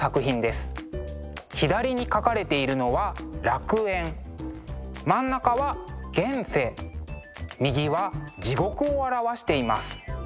左に描かれているのは楽園真ん中は現世右は地獄を表しています。